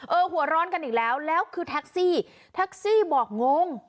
หัวร้อนกันอีกแล้วแล้วคือแท็กซี่แท็กซี่บอกงง